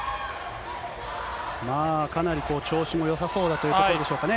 かなり調子もよさそうだというところでしょうかね。